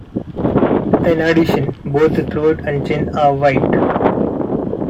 In addition, both the throat and chin are white.